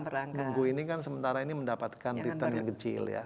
minggu ini kan sementara ini mendapatkan return yang kecil ya